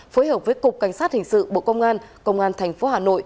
phối hợp với cục cảnh sát hình sự bộ công an công an thành phố hà nội